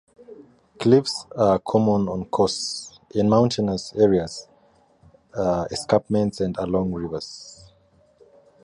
Cliffs are common on coasts, in mountainous areas, escarpments and along rivers.